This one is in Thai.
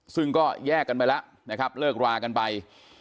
ซึ่งก็แยกกันไปแล้วนะครับเลิกรากันไป